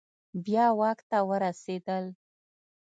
بیا واک ته ورسیدل